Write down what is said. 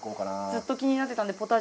ずっと気になってたんで。